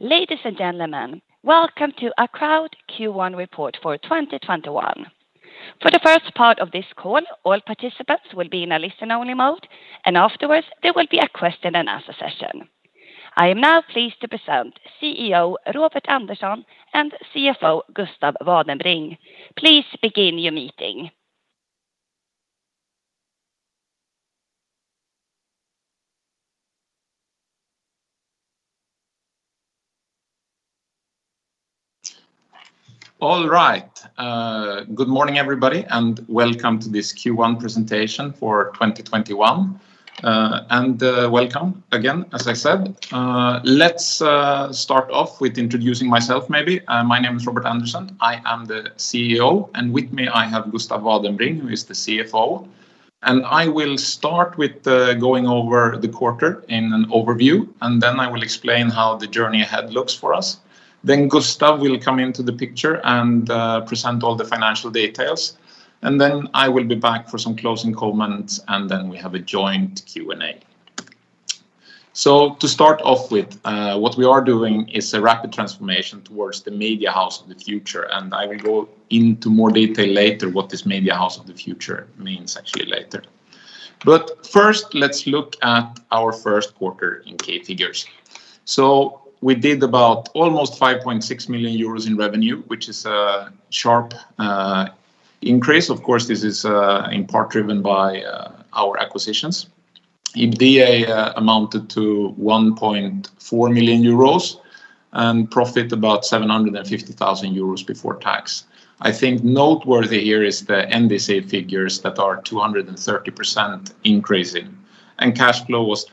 Ladies and gentlemen, welcome to Acroud Q1 report for 2021. For the first part of this call, all participants will be in a listen-only mode, and afterwards there will be a question-and-answer session. I am now pleased to present CEO Robert Andersson and CFO Gustav Vadenbring. Please begin your meeting. All right. Good morning, everybody, and welcome to this Q1 presentation for 2021. Welcome, again, as I said. Let's start off with introducing myself maybe. My name is Robert Andersson. I am the CEO, and with me I have Gustav Vadenbring, who is the CFO. I will start with going over the quarter in an overview, and then I will explain how the journey ahead looks for us. Gustav will come into the picture and present all the financial details, and then I will be back for some closing comments, and then we have a joint Q&A. To start off with, what we are doing is a rapid transformation towards the media house of the future, and I will go into more detail later what this media house of the future means actually later. First, let's look at our first quarter in key figures. We did about almost 5.6 million euros in revenue, which is a sharp increase. Of course, this is in part driven by our acquisitions. EBITDA amounted to 1.4 million euros and profit about 750,000 euros before tax. I think noteworthy here is the NDC figures that are 230% increasing, and cash flow was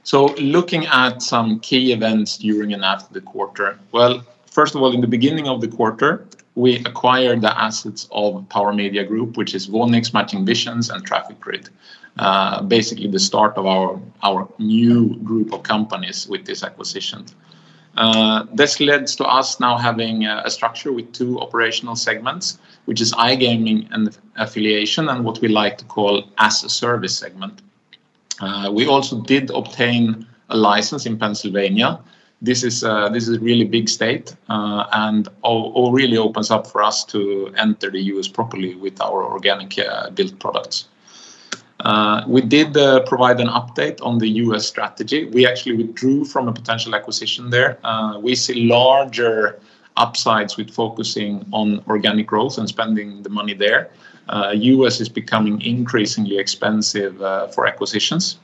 388,000 euros. Looking at some key events during and after the quarter. First of all, in the beginning of the quarter, we acquired the assets of Power Media Group, which is Voonix, Matching Visions, and Traffic Grid, basically the start of our new group of companies with these acquisitions. This led to us now having a structure with two operational segments, which is iGaming and affiliation, and what we like to call as-a-service segment. We also did obtain a license in Pennsylvania. This is a really big state and really opens up for us to enter the U.S. properly with our organic built products. We did provide an update on the U.S. strategy. We actually withdrew from a potential acquisition there. We see larger upsides with focusing on organic growth and spending the money there. U.S. is becoming increasingly expensive for acquisitions.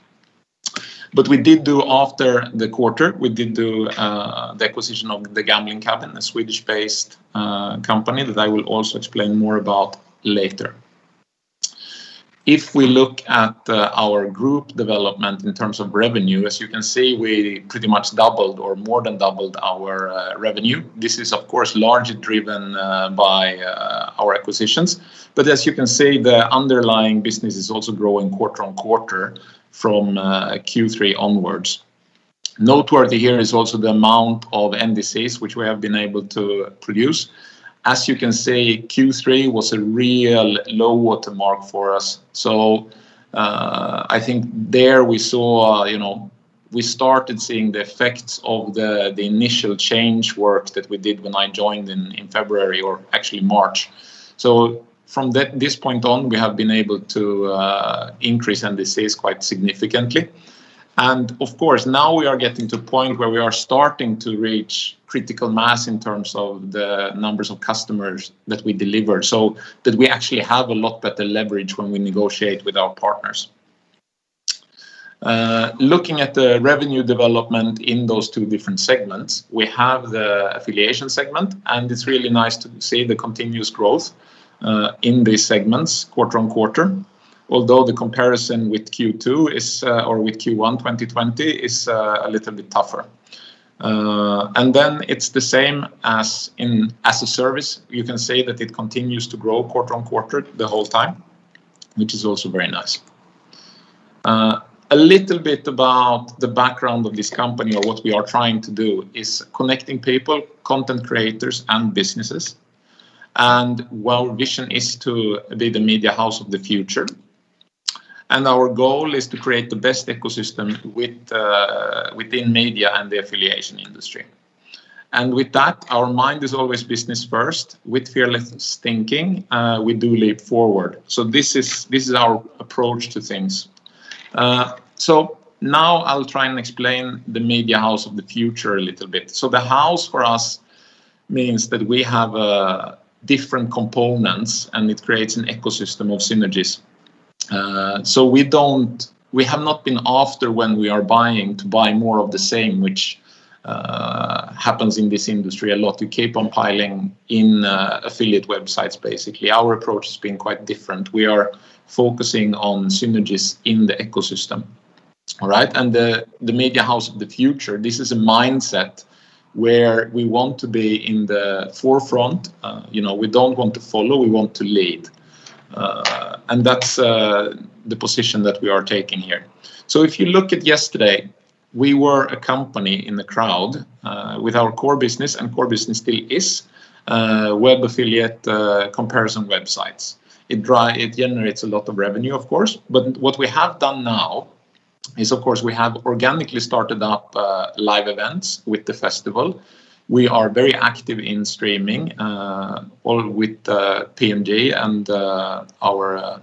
We did do after the quarter, we did do the acquisition of The Gambling Cabin, a Swedish-based company that I will also explain more about later. If we look at our group development in terms of revenue, as you can see, we pretty much doubled or more than doubled our revenue. This is of course, largely driven by our acquisitions. As you can see, the underlying business is also growing quarter-on-quarter from Q3 onwards. Noteworthy here is also the amount of NDCs which we have been able to produce. As you can see, Q3 was a real low water mark for us. I think there we started seeing the effects of the initial change work that we did when I joined in February or actually March. From this point on, we have been able to increase NDCs quite significantly. Of course, now we are getting to the point where we are starting to reach critical mass in terms of the numbers of customers that we deliver, so that we actually have a lot better leverage when we negotiate with our partners. Looking at the revenue development in those two different segments, we have the affiliation segment, and it is really nice to see the continuous growth in these segments quarter on quarter, although the comparison with Q1 2020 is a little bit tougher. Then it is the same as in as-a-service. You can see that it continues to grow quarter on quarter the whole time, which is also very nice. A little bit about the background of this company and what we are trying to do is connecting people, content creators, and businesses. Our vision is to be the media house of the future. Our goal is to create the best ecosystem within media and the affiliation industry. With that, our mind is always business first with fearless thinking, we do lead forward. This is our approach to things. Now I'll try and explain the media house of the future a little bit. The house for us means that we have different components, and it creates an ecosystem of synergies. We have not been after when we are buying to buy more of the same, which happens in this industry a lot. We keep on piling in affiliate websites, basically. Our approach has been quite different. We are focusing on synergies in the ecosystem. All right? The media house of the future, this is a mindset where we want to be in the forefront. We don't want to follow, we want to lead. That's the position that we are taking here. If you look at yesterday, we were a company in the Acroud with our core business, and core business still is web affiliate comparison websites. It generates a lot of revenue, of course, but what we have done now is, of course, we have organically started up live events with The Festival Series. We are very active in streaming, with the PMG and our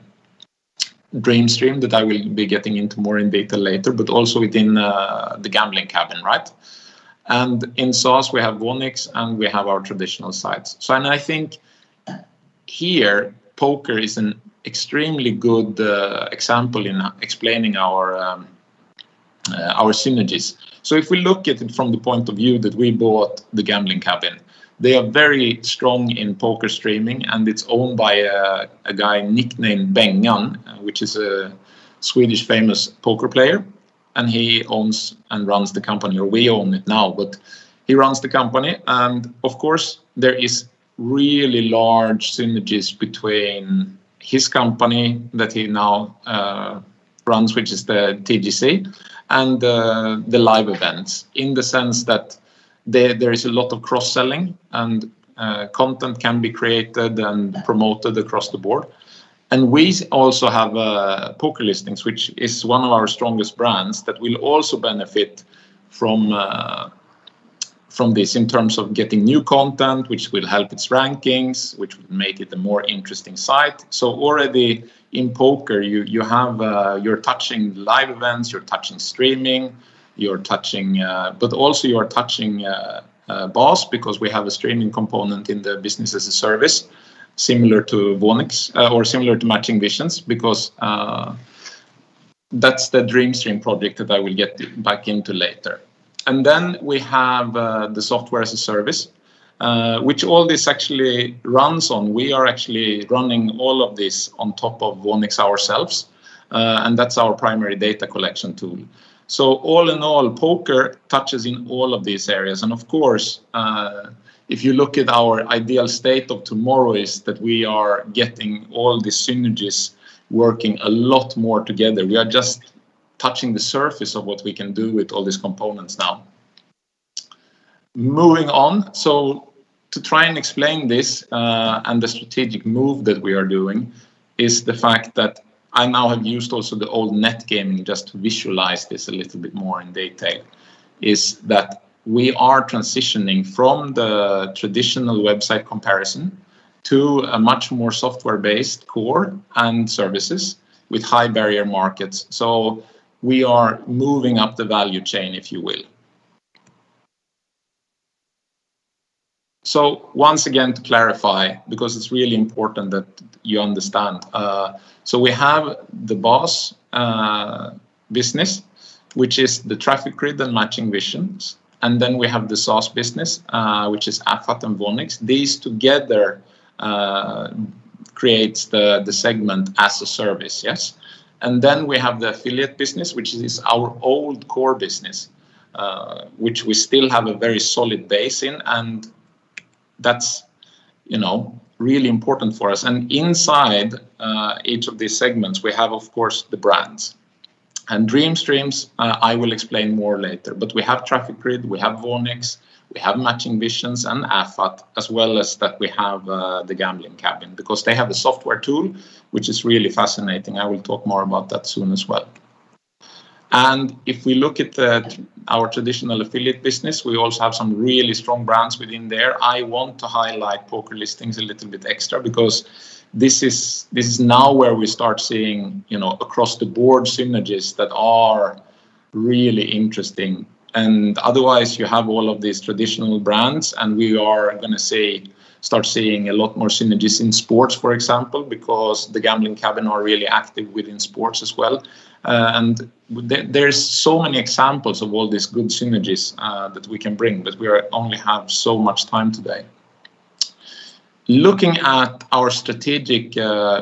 Dreamstream that I will be getting into more in detail later, but also within The Gambling Cabin. In SaaS, we have Voonix and we have our traditional sites. I think here poker is an extremely good example in explaining our synergies. If we look at it from the point of view that we bought The Gambling Cabin, they are very strong in poker streaming, and it's owned by a guy nicknamed Bengan, which is a Swedish famous poker player, and he owns and runs the company, or we own it now, but he runs the company. Of course, there is really large synergies between his company that he now runs, which is the TGC, and the live events in the sense that there is a lot of cross-selling and content can be created and promoted across the board. We also have PokerListings, which is one of our strongest brands that will also benefit from this in terms of getting new content, which will help its rankings, which would make it a more interesting site. Already in poker, you're touching live events, you're touching streaming, but also you're touching BaaS because we have a streaming component in the business as a service similar to Matching Visions because that's the Dreamstream project that I will get back into later. Then we have the Software as a Service, which all this actually runs on. We are actually running all of this on top of Voonix ourselves. That's our primary data collection tool. All in all, poker touches in all of these areas. Of course, if you look at our ideal state of tomorrow is that we are getting all the synergies working a lot more together. We are just touching the surface of what we can do with all these components now. Moving on. To try and explain this, the strategic move that we are doing is the fact that I now have used also the old Net Gaming just to visualize this a little bit more in detail, is that we are transitioning from the traditional website comparison to a much more software-based core and services with high-barrier markets. We are moving up the value chain, if you will. Once again to clarify, because it's really important that you understand. We have the BaaS business, which is the Traffic Grid and Matching Visions, and then we have the SaaS business, which is AffHut and Voonix. These together creates the segment as a service. Yes. Then we have the affiliate business, which is our old core business, which we still have a very solid base in. That's really important for us. Inside each of these segments, we have, of course, the brands. Dreamstreams, I will explain more later, but we have Traffic Grid, we have Voonix, we have Matching Visions and AffHut, as well as that we have The Gambling Cabin because they have a software tool, which is really fascinating. I will talk more about that soon as well. If we look at our traditional affiliate business, we also have some really strong brands within there. I want to highlight PokerListings a little bit extra because this is now where we start seeing across the board synergies that are really interesting. Otherwise, you have all of these traditional brands, and we are going to start seeing a lot more synergies in sports, for example, because The Gambling Cabin are really active within sports as well. There's so many examples of all these good synergies that we can bring, but we only have so much time today. Looking at our strategic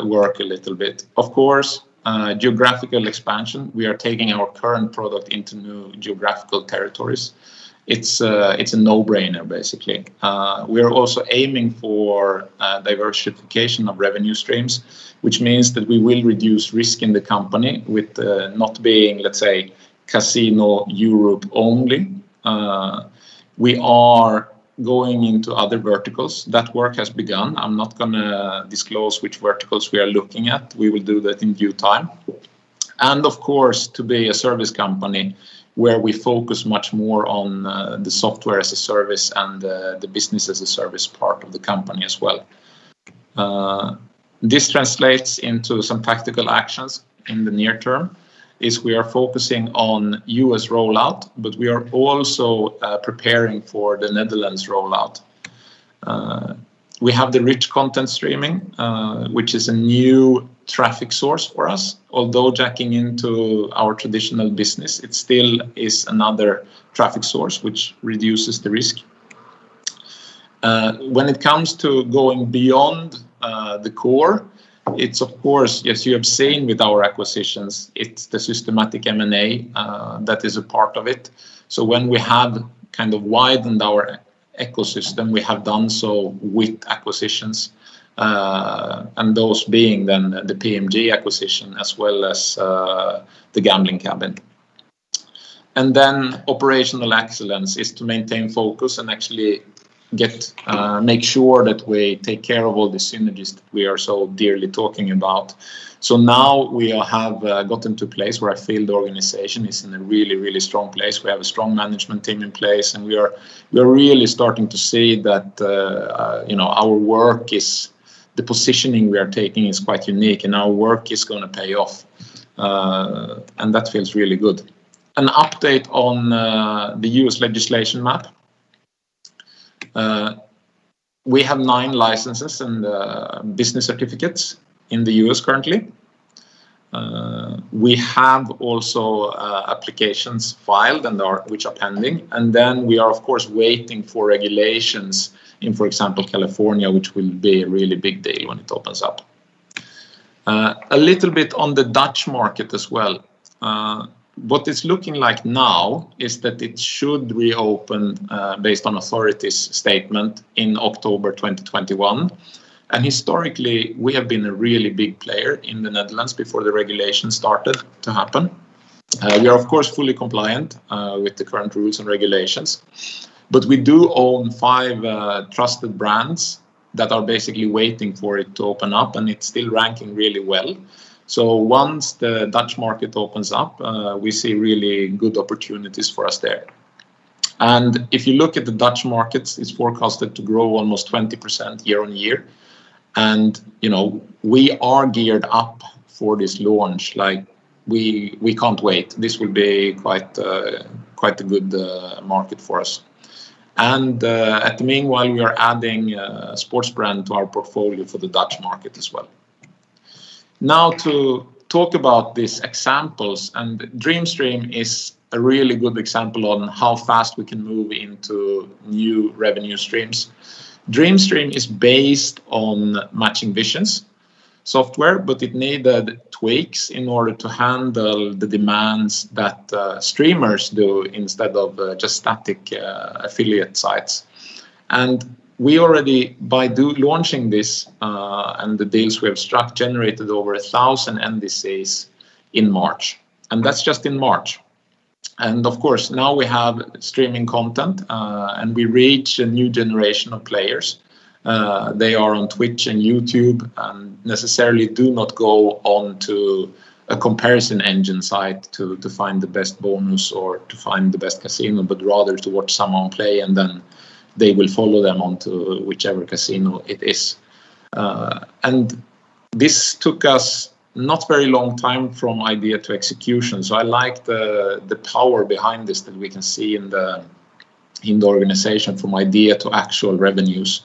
work a little bit. Of course, geographical expansion, we are taking our current product into new geographical territories. It's a no-brainer, basically. We are also aiming for diversification of revenue streams, which means that we will reduce risk in the company with not being, let's say, casino Europe only. We are going into other verticals. That work has begun. I'm not going to disclose which verticals we are looking at. We will do that in due time. Of course, to be a service company where we focus much more on the Software as a Service and the Business as a Service part of the company as well. This translates into some tactical actions in the near term, is we are focusing on U.S. rollout, but we are also preparing for the Netherlands rollout. We have the rich content streaming, which is a new traffic source for us. Although jacking into our traditional business, it still is another traffic source, which reduces the risk. When it comes to going beyond the core, it's of course, as you have seen with our acquisitions, it's the systematic M&A that is a part of it. When we have widened our ecosystem, we have done so with acquisitions, and those being then the PMG acquisition as well as The Gambling Cabin. Then operational excellence is to maintain focus and actually make sure that we take care of all the synergies that we are so dearly talking about. Now we have gotten to a place where I feel the organization is in a really strong place. We have a strong management team in place, and we are really starting to see that the positioning we are taking is quite unique and our work is going to pay off. That feels really good. An update on the U.S. legislation map. We have nine licenses and business certificates in the U.S. currently. We have also applications filed which are pending, and then we are of course waiting for regulations in, for example, California, which will be a really big day when it opens up. A little bit on the Dutch market as well. What it's looking like now is that it should reopen, based on authorities' statement, in October 2021. Historically, we have been a really big player in the Netherlands before the regulations started to happen. We are of course fully compliant with the current rules and regulations. We do own five trusted brands that are basically waiting for it to open up, and it's still ranking really well. Once the Dutch market opens up, we see really good opportunities for us there. If you look at the Dutch markets, it's forecasted to grow almost 20% year-on-year. We are geared up for this launch. We can't wait. This will be quite a good market for us. Meanwhile, we are adding a sports brand to our portfolio for the Dutch market as well. Now to talk about these examples, and DreamStream is a really good example on how fast we can move into new revenue streams. DreamStream is based on Matching Visions software, but it needed tweaks in order to handle the demands that streamers do instead of just static affiliate sites. We already, by launching this, and the deals we have struck, generated over 1,000 NDCs in March, and that's just in March. Of course, now we have streaming content, and we reach a new generation of players. They are on Twitch and YouTube, necessarily do not go onto a comparison engine site to find the best bonus or to find the best casino, but rather to watch someone play and then they will follow them onto whichever casino it is. This took us not very long time from idea to execution, so I like the power behind this that we can see in the organization from idea to actual revenues.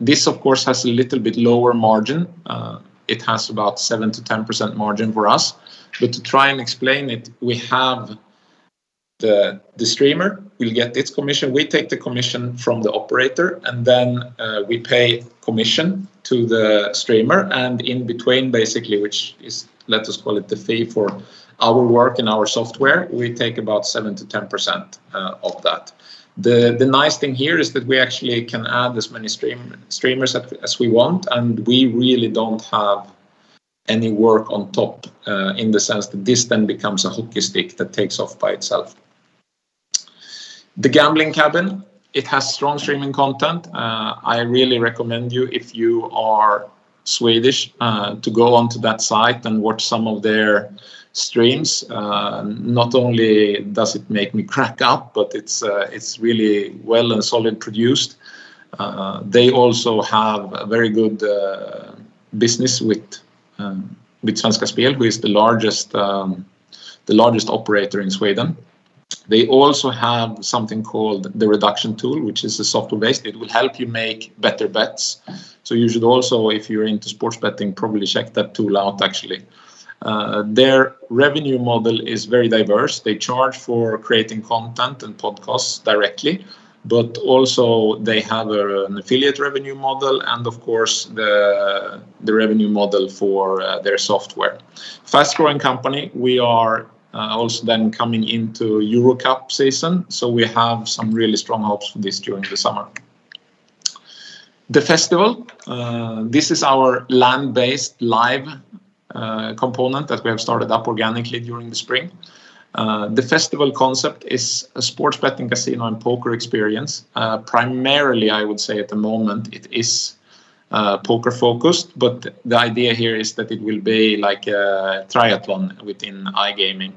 This of course has a little bit lower margin. It has about 7%-10% margin for us. To try and explain it, we have the streamer will get his commission, we take the commission from the operator, and then we pay commission to the streamer. In between basically, which is, let us call it the fee for our work and our software, we take about 7%-10% of that. The nice thing here is that we actually can add as many streamers as we want, and we really don't have any work on top in the sense that this then becomes a hockey stick that takes off by itself. The Gambling Cabin, it has strong streaming content. I really recommend you, if you are Swedish, to go onto that site and watch some of their streams. Not only does it make me crack up, but it's really well and solid produced. They also have a very good business with Svenska Spel, who is the largest operator in Sweden. They also have something called the Reduction Tool, which is a software-based. It will help you make better bets. You should also, if you're into sports betting, probably check that tool out actually. Their revenue model is very diverse. They charge for creating content and podcasts directly, but also they have an affiliate revenue model and of course the revenue model for their software. Fast-growing company. We are also then coming into Euro Cup season, so we have some really strong hopes for this during the summer. The Festival, this is our land-based live component that we have started up organically during the spring. The Festival concept is a sports betting casino and poker experience. Primarily, I would say at the moment it is poker-focused, but the idea here is that it will be like a triathlon within iGaming.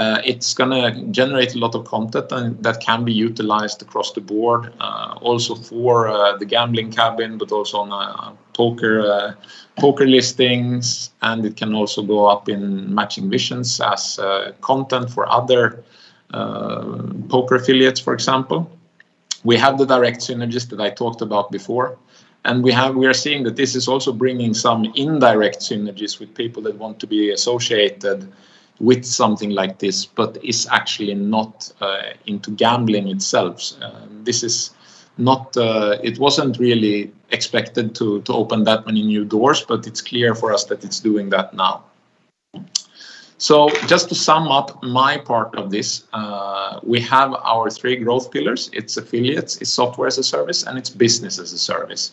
It's going to generate a lot of content, and that can be utilized across the board, also for The Gambling Cabin, but also on PokerListings, and it can also go up in Matching Visions as content for other poker affiliates, for example. We have the direct synergies that I talked about before, and we are seeing that this is also bringing some indirect synergies with people that want to be associated with something like this, but is actually not into gambling itself. It wasn't really expected to open that many new doors, but it's clear for us that it's doing that now. Just to sum up my part of this, we have our three growth pillars. It's affiliates, it's software as a service, and it's business as a service.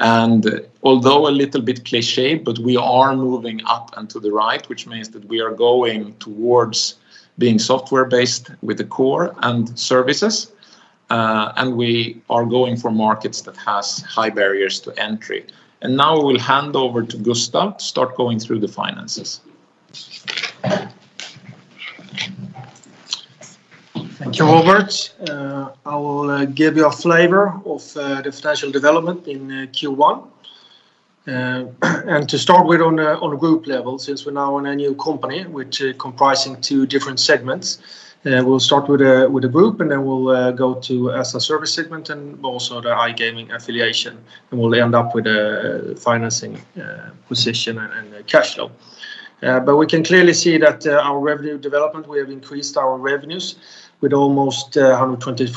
Although a little bit cliche, but we are moving up and to the right, which means that we are going towards being software-based with the core and services, and we are going for markets that have high barriers to entry. Now I will hand over to Gustav to start going through the finances. Thank you, Robert. I will give you a flavor of the financial development in Q1. To start with on a group level, since we are now in a new company, which comprises two different segments, we will start with the group and then we will go to as a service segment and also the iGaming affiliation, and we will end up with the financing position and the cash flow. We can clearly see that our revenue development, we have increased our revenues with almost 123%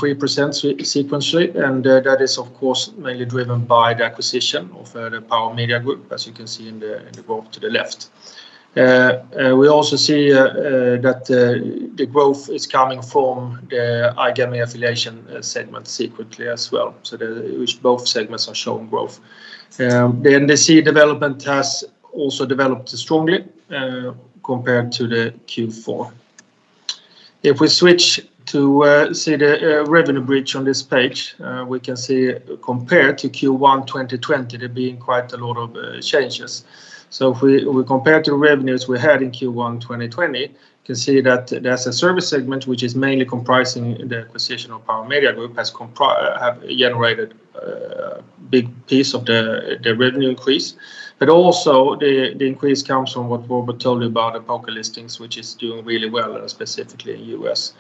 sequentially, and that is of course, mainly driven by the acquisition of the Power Media Group, as you can see in the growth to the left. We also see that the growth is coming from iGaming affiliation segments sequentially as well. Both segments are showing growth. The NDC development has also developed strongly compared to Q4. If we switch to see the revenue bridge on this page, we can see compared to Q1 2020, there being quite a lot of changes. If we compare to the revenues we had in Q1 2020, you can see that there's a service segment which is mainly comprising the acquisition of Power Media Group has generated a big piece of the revenue increase, also the increase comes from what Robert told you about the PokerListings, which is doing really well, specifically in the U.S.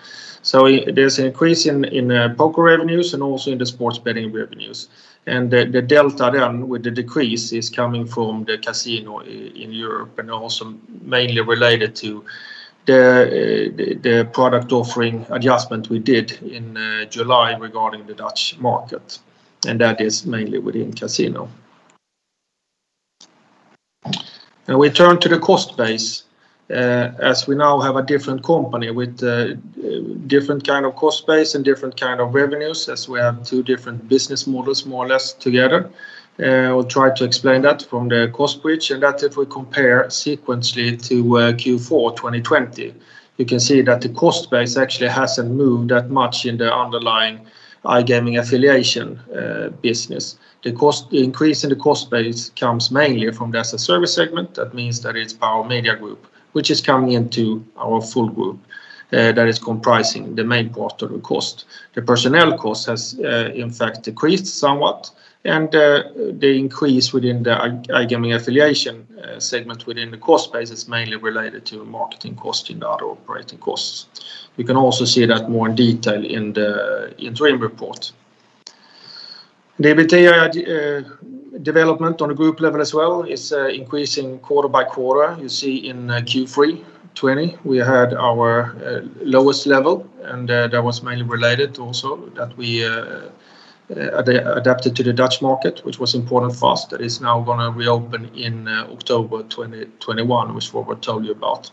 There's an increase in poker revenues also in the sports betting revenues. The delta then with the decrease is coming from the casino in Europe also mainly related to the product offering adjustment we did in July regarding the Dutch market, that is mainly within casino. Now we turn to the cost base, as we now have a different company with a different kind of cost base and different kind of revenues as we have two different business models more or less together. I will try to explain that from the cost bridge, and that if we compare sequentially to Q4 2020, we can see that the cost base actually hasn't moved that much in the underlying iGaming affiliation business. The increase in the cost base comes mainly from the as a service segment. That means that it's Power Media Group, which is coming into our full group, that is comprising the main part of the cost. The personnel cost has in fact decreased somewhat, and the increase within the iGaming affiliation segment within the cost base is mainly related to marketing cost and other operating costs. We can also see that more in detail in the interim report. The EBITDA development on a group level as well is increasing quarter by quarter. You see in Q3 2020, we had our lowest level, that was mainly related also that we adapted to the Dutch market, which was important for us. That is now going to reopen in October 2021, which Robert told you about.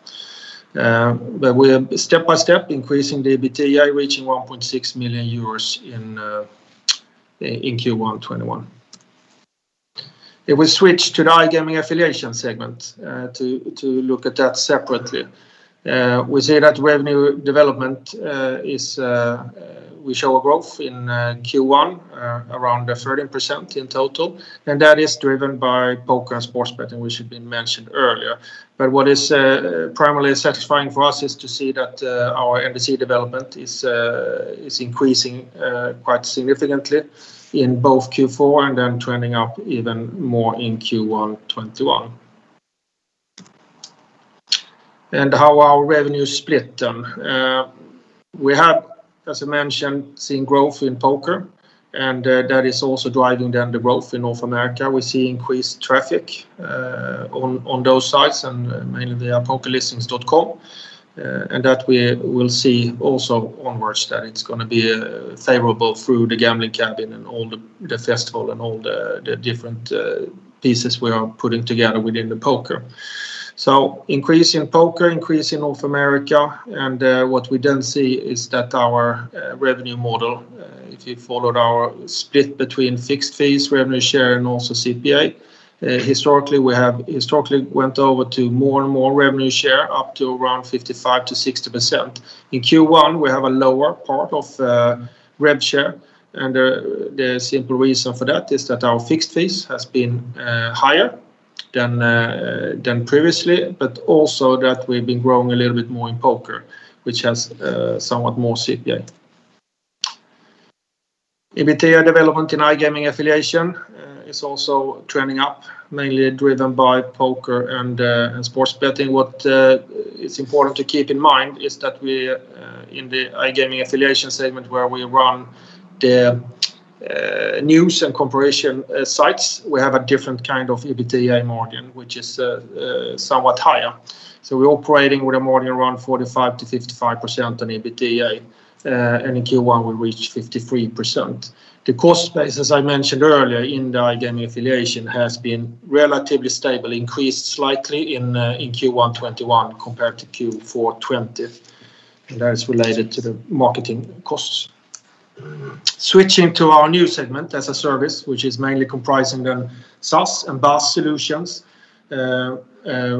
We are step by step increasing the EBITDA, reaching 1.6 million euros in Q1 2021. If we switch to the iGaming affiliation segment to look at that separately, we see that revenue development we show a growth in Q1 around 30% in total, that is driven by poker and sports betting, which have been mentioned earlier. What is primarily satisfying for us is to see that our NDC development is increasing quite significantly in both Q4 and then trending up even more in Q1 2021. How our revenue is split then. We have, as I mentioned, seen growth in poker, and that is also driving then the growth in North America. We see increased traffic on those sites and mainly on PokerListings.com, and that we will see also on March that it's going to be favorable through The Gambling Cabin and all The Festival Series and all the different pieces we are putting together within poker. Increase in poker, increase in North America. What we then see is that our revenue model if you followed our split between fixed fees, revenue share, and also CPA, historically went over to more and more revenue share up to around 55%-60%. In Q1, we have a lower part of rev share and the simple reason for that is that our fixed fees have been higher than previously, but also that we've been growing a little bit more in poker, which has somewhat more CPA. EBITDA development in iGaming affiliation is also trending up, mainly driven by poker and sports betting. What is important to keep in mind is that in the iGaming affiliation segment where we run the news and comparison sites, we have a different kind of EBITDA margin, which is somewhat higher. We're operating with a margin around 45%-55% on EBITDA, and in Q1 we reached 53%. The cost base, as I mentioned earlier in the iGaming affiliation, has been relatively stable, increased slightly in Q1 2021 compared to Q4 2020, and that is related to the marketing costs. Switching to our new segment as a service, which is mainly comprising the SaaS and BaaS solutions,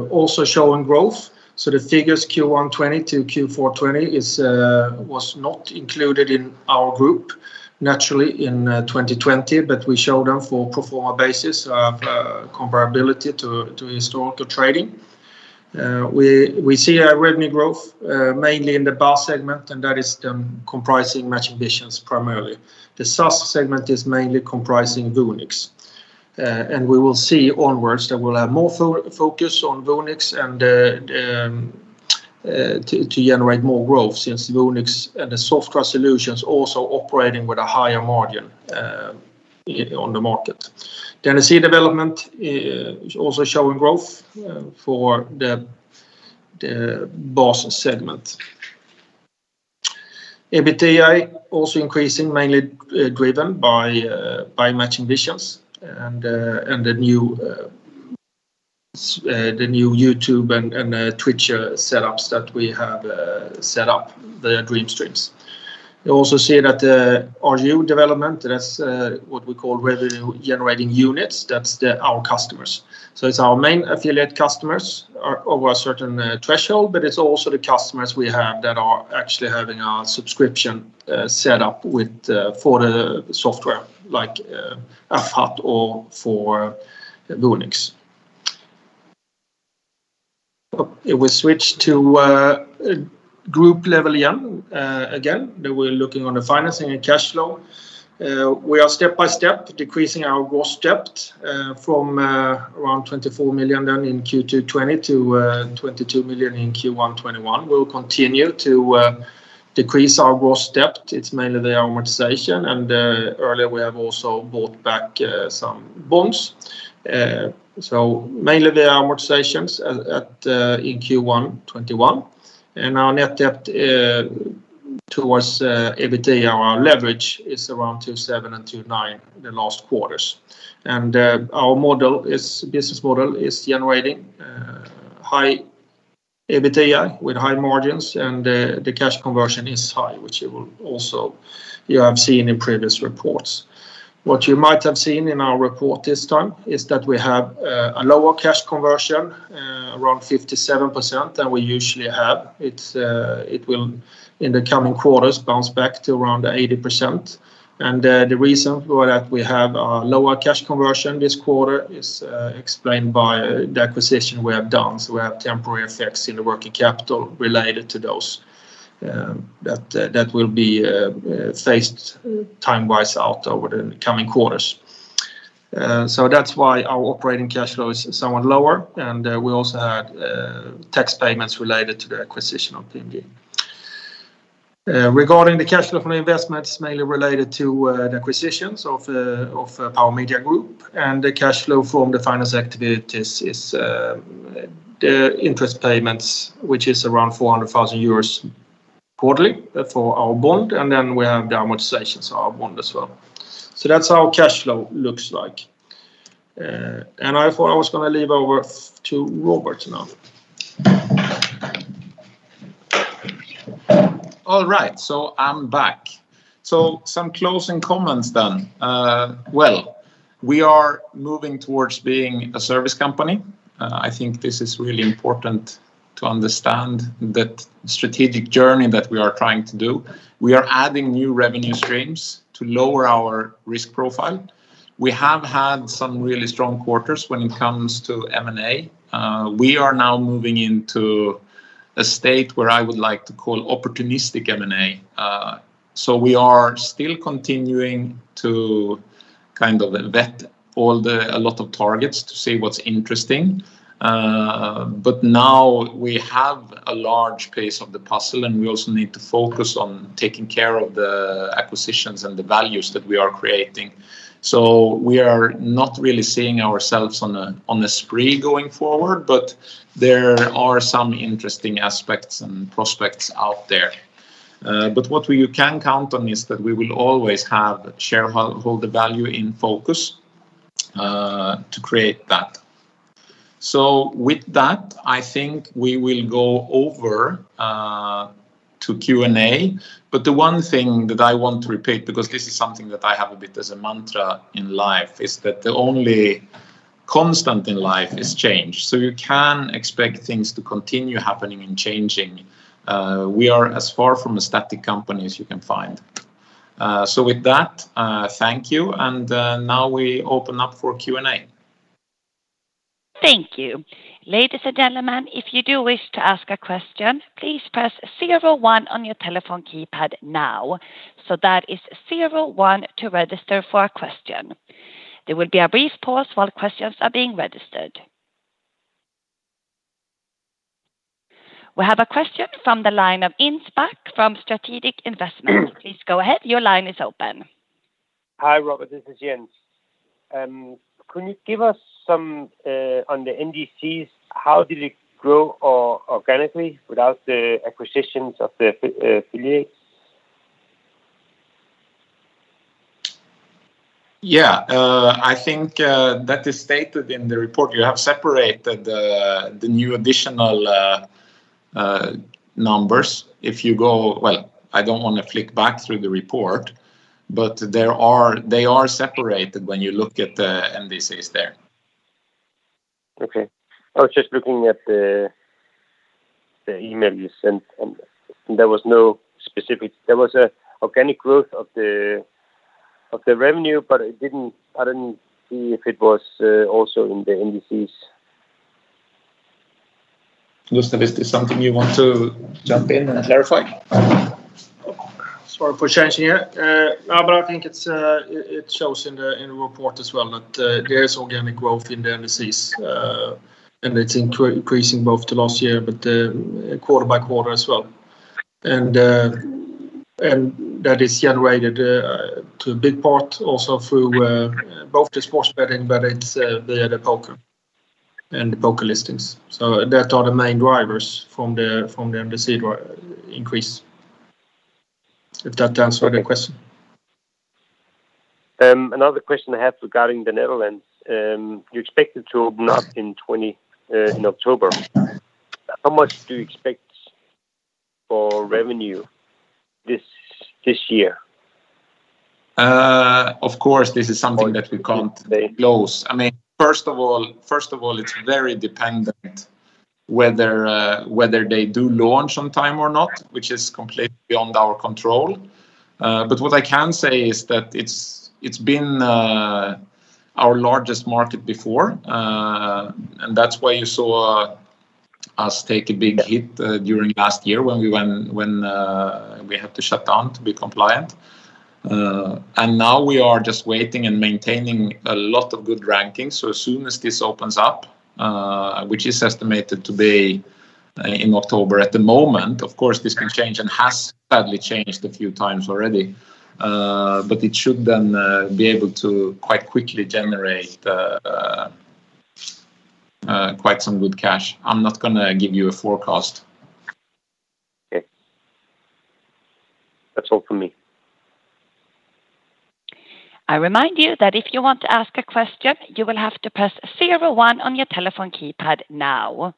also showing growth. The figures Q1 2020 to Q4 2020 was not included in our group naturally in 2020, but we show them for pro forma basis of comparability to historical trading. We see a revenue growth mainly in the BaaS segment, and that is comprising Matching Visions primarily. The SaaS segment is mainly comprising Voonix, and we will see onwards that we'll have more focus on Voonix and to generate more growth since Voonix and the software solutions also operating with a higher margin on the market. You see development is also showing growth for the BaaS segment. EBITDA also increasing mainly driven by Matching Visions and the new YouTube and Twitch setups that we have set up the DreamStreams. You also see that the RGU development, that's what we call revenue generating units, that's our customers. It's our main affiliate customers are over a certain threshold, but it's also the customers we have that are actually having a subscription set up for the software like AffHut or for Voonix. If we switch to group level again, we're looking on the financing and cash flow. We are step by step decreasing our gross debt from around 24 million in Q2 2020 to 22 million in Q1 2021. We'll continue to decrease our gross debt. It's mainly the amortization, earlier we have also bought back some bonds. Mainly the amortizations in Q1 2021, our net debt towards EBITDA leverage is around 2.7 and 2.9 in the last quarters. Our business model is generating high EBITDA with high margins, and the cash conversion is high, which you have seen in previous reports. What you might have seen in our report this time is that we have a lower cash conversion, around 57% than we usually have. It will in the coming quarters bounce back to around 80%. The reason why that we have a lower cash conversion this quarter is explained by the acquisition we have done. We have temporary effects in the working capital related to those that will be phased time-wise out over the coming quarters. That's why our operating cash flow is somewhat lower, and we also had tax payments related to the acquisition of PMG. Regarding the cash flow from investments mainly related to the acquisitions of PowerMedia Group, and the cash flow from the finance activities is the interest payments, which is around 400,000 euros quarterly for our bond, and then we have the amortizations of our bond as well. That's how cash flow looks like. I thought I was going to leave over to Robert now. All right, I'm back. Some closing comments then. Well, we are moving towards being a service company. I think this is really important to understand the strategic journey that we are trying to do. We are adding new revenue streams to lower our risk profile. We have had some really strong quarters when it comes to M&A. We are now moving into a state where I would like to call opportunistic M&A. We are still continuing to kind of vet a lot of targets to see what's interesting. Now we have a large piece of the puzzle, and we also need to focus on taking care of the acquisitions and the values that we are creating. We are not really seeing ourselves on a spree going forward, but there are some interesting aspects and prospects out there. What you can count on is that we will always have shareholder value in focus to create that. With that, I think we will go over to Q&A. The one thing that I want to repeat, because this is something that I have a bit as a mantra in life, is that the only constant in life is change. You can expect things to continue happening and changing. We are as far from a static company as you can find. With that, thank you, and now we open up for Q&A. Thank you. Ladies and gentlemen, if you do wish to ask a question, please press zero one on your telephone keypad now. That is zero one to register for a question. There will be a brief pause while questions are being registered. We have a question from the line of Inspark from Strategic Investments. Please go ahead. Your line is open. Hi, Robert. This is Kim. Can you give us some on the NDCs? How did it grow organically without the acquisitions of Voonix? Yeah, I think that is stated in the report. You have separated the new additional numbers. I don't want to flick back through the report, but they are separated when you look at the NDCs there. I was just looking at the email you sent, and there was an organic growth of the revenue, but I didn't see if it was also in the NDCs. Gustav Vadenbring, is this something you want to jump in and clarify? Sorry for changing here. I think it shows in the report as well that there is organic growth in the NDCs, and it's increasing both to last year, quarter by quarter as well. That is generated to a big part also through both the sports betting, but it's via the poker and the PokerListings. That are the main drivers from the NDC increase. Did that answer the question? Another question I have regarding the Netherlands. You expect it to open up in October. How much do you expect for revenue this year? Of course, this is something that we can't disclose. First of all, it's very dependent whether they do launch on time or not, which is completely beyond our control. What I can say is that it's been our largest market before, and that's why you saw us take a big hit during last year when we had to shut down to be compliant. Now we are just waiting and maintaining a lot of good rankings, so as soon as this opens up, which is estimated to be in October at the moment, of course, this can change and has sadly changed a few times already, but it should then be able to quite quickly generate quite some good cash. I'm not going to give you a forecast. Okay. That's all for me. I remind you that if you want to ask a question, you will have to press zero one on your telephone keypad now.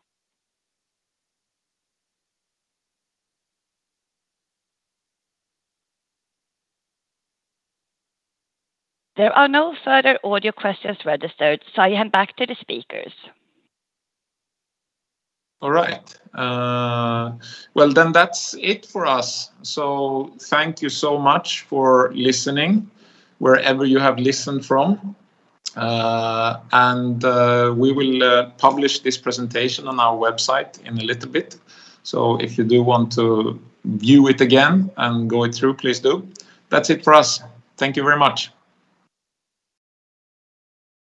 There are no further audio questions registered, so I hand back to the speakers. All right. That's it for us. Thank you so much for listening, wherever you have listened from. We will publish this presentation on our website in a little bit. If you do want to view it again and go it through, please do. That's it for us. Thank you very much.